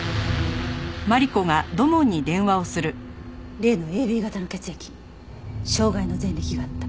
例のＡＢ型の血液傷害の前歴があった。